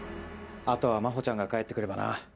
あとは真帆ちゃんが帰って来ればな。